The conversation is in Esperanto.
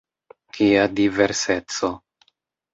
Kia diverseco?